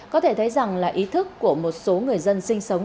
có thể thấy rằng là ý thức của một số người dân sinh sống